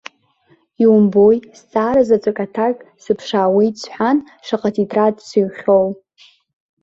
Иумбои, зҵаара заҵәык аҭак сыԥшаауеит сҳәан, шаҟа тетрад сыҩхьоу.